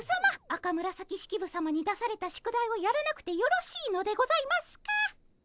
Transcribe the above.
赤紫式部さまに出された宿題をやらなくてよろしいのでございますか？